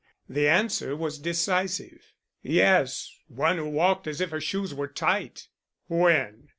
The answer was decisive. "Yes; one who walked as if her shoes were tight." "When?"